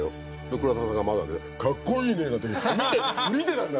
黒澤さんが窓開けて「かっこいいね」なんて見てたんだ。